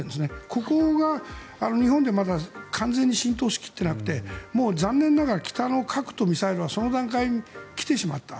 ここが日本でまだ完全に浸透しきっていなくて残念ながら北の核とミサイルはその段階に来てしまった。